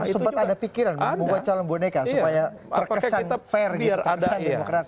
sempat ada pikiran membuat calon boneka supaya terkesan fair gitu terhadap demokrasi